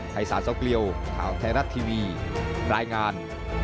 ศาสกเกลียวข่าวไทยรัฐทีวีรายงาน